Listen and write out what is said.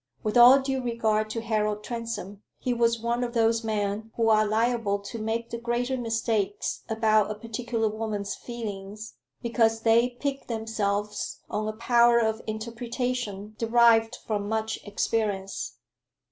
With all due regard to Harold Transome, he was one of those men who are liable to make the greater mistakes about a particular woman's feelings, because they pique themselves on a power of interpretation derived from much experience.